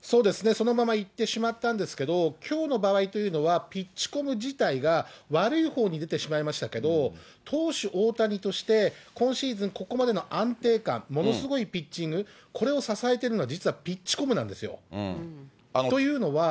そのままいってしまったんですけど、きょうの場合というのは、ピッチコム自体が悪いほうに出てしまいましたけど、投手大谷として、今シーズンここまでの安定感、ものすごいピッチング、これを支えているのは実はピッチコムなんですよ。というのは。